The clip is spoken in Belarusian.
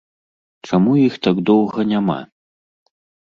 Чаму іх так доўга няма?